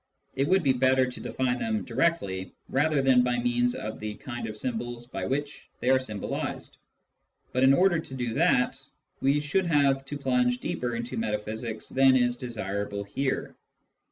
(It would be better to define them directly, rather than by means of the kind of symbols by which they are symbolised ; but in order to do that we should have to plunge deeper into metaphysics than is desirable here.)